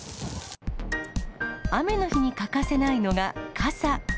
雨の日に欠かせないのが傘。